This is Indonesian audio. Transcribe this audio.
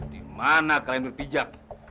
di mana kalian berpijak